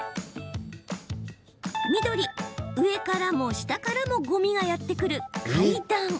緑・上からも下からもごみがやってくる、階段。